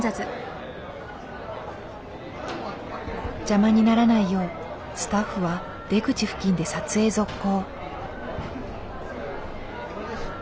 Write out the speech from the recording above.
邪魔にならないようスタッフは出口付近で撮影続行。